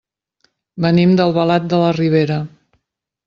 Venim d'Albalat de la Ribera.